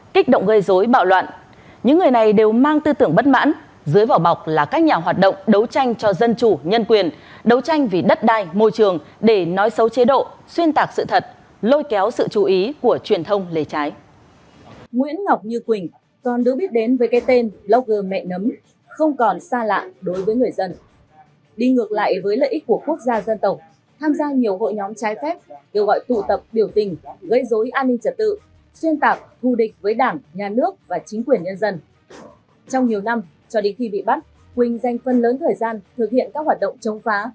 khi bị bắt quỳnh dành phần lớn thời gian thực hiện các hoạt động chống phá